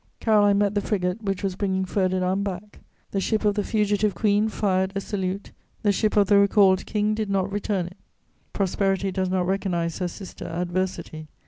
Caroline met the frigate which was bringing Ferdinand back. The ship of the fugitive Queen fired a salute, the ship of the recalled King did not return it: Prosperity does not recognise her sister Adversity.